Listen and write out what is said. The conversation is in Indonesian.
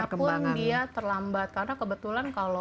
perkembangannya pun dia terlambat karena kebetulan kalau